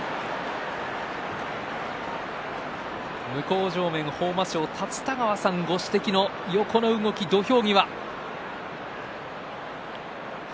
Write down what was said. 向正面、豊真将立田川さんご指摘の横の動き土俵際。